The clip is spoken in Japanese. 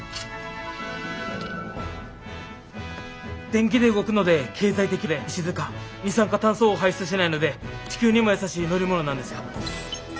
電気で動くので経済的で静か二酸化炭素を排出しないので地球にも優しい乗り物なんですよ。